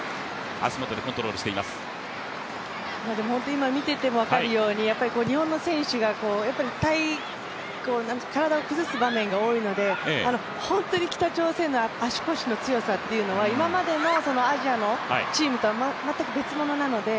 今見ていても分かるように、日本の選手が体を崩す場面が多いので本当に北朝鮮の足腰の強さっていうのは今までのアジアのチームとは全く別物なので。